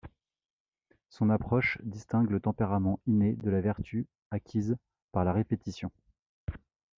Son approche distingue le tempérament, inné, de la vertu, acquise par la répétition.